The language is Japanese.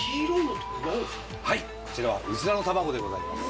はいこちらはうずらの卵でございます。